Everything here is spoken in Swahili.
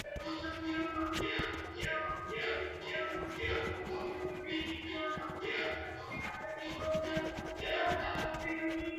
Walimwona yeye kama mmoja wa watu wanaoweza kupewa wadhifa huo